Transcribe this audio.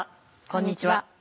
こんにちは。